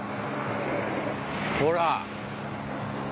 ほら。